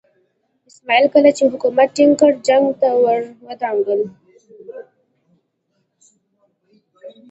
اسماعیل کله چې حکومت ټینګ کړ جنګ ته ور ودانګل.